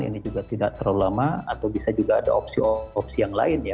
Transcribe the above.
ini juga tidak terlalu lama atau bisa juga ada opsi opsi yang lain ya